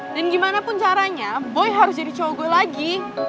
dan gimana pun caranya boy harus jadi cowok gue lagi